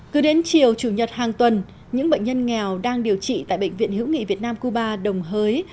cứ đến chiều chủ nhật hàng tuần những bệnh nhân nghèo đang điều trị tại bệnh viện hữu nghị việt nam cuba đồng hới